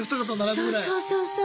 そうそうそうそう。